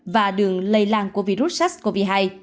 và đường lây lan của virus sars cov hai